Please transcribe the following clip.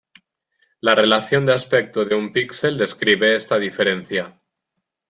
La relación de aspecto de un pixel describe esta diferencia.